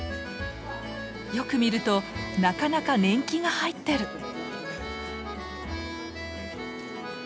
よく見るとなかなか年季が入ってる。